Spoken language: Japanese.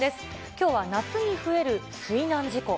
きょうは夏に増える水難事故。